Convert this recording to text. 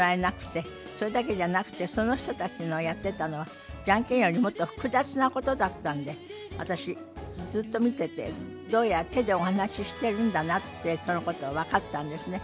それだけじゃなくてその人たちのやってたのはジャンケンよりもっと複雑なことだったんで私ずっと見ててどうやら手でお話ししてるんだなってそのことが分かったんですね。